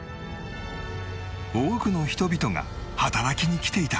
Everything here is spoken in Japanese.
多くの人々が働きに来ていた